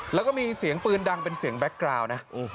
แล้วก็มีเสียงปืนดังเป็นเสียงแก๊กกราวนะ